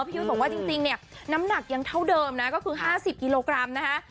ยุ้ยบอกว่าจริงเนี่ยน้ำหนักยังเท่าเดิมนะก็คือ๕๐กิโลกรัมนะคะ